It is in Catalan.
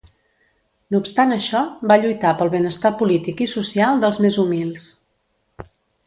No obstant això, va lluitar pel benestar polític i social dels més humils.